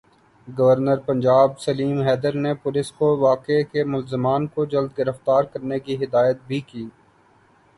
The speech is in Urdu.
گورنر پنجاب سلیم حیدر نے پولیس کو واقعے کے ملزمان کو جلد گرفتار کرنے کی ہدایت بھی کی